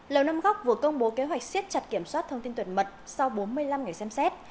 lầu năm góc vừa công bố kế hoạch siết chặt kiểm soát thông tin tuyệt mật sau bốn mươi năm ngày xem xét